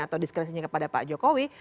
atau diskresinya kepada pak jokowi